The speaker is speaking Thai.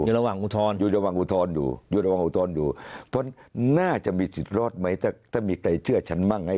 เพราะว่าน่าจะมีสิทธิ์รอดไหมถ้ามีใครเชื่อฉันมั่งไง